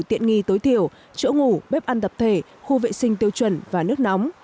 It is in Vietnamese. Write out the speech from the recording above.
tiện nghi tối thiểu chỗ ngủ bếp ăn tập thể khu vệ sinh tiêu chuẩn và nước nóng